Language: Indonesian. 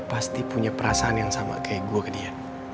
pasti punya perasaan yang sama kayak gue ke dia